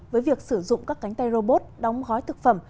với việc sử dụng các cánh tay robot đóng gói thực phẩm